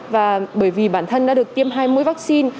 và bởi vì bản thân đã được tiêm hai mũi vắc xin